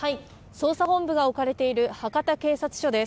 捜査本部が置かれている博多警察署です。